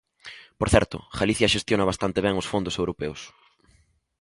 Por certo, Galicia xestiona bastante ben os fondos europeos.